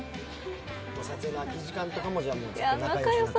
撮影の空き時間とかもずっと仲良く？